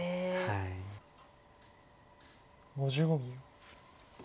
５５秒。